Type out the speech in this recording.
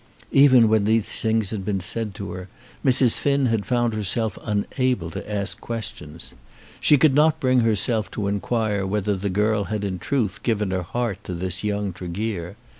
Even when these things had been said to her, Mrs. Finn had found herself unable to ask questions. She could not bring herself to inquire whether the girl had in truth given her heart to this young Tregear.